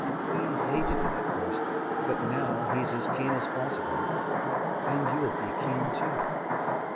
He hated it at first, but now he's as keen as possible. And you'll be keen too."